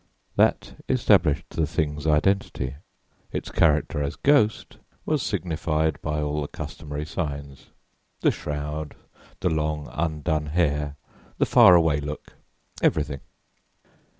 That established the thing's identity; its character as ghost was signified by all the customary signs the shroud, the long, undone hair, the 'far away look' everything.